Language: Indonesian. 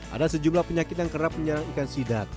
ada sejumlah penyakit yang kerap menyerang ikan sidap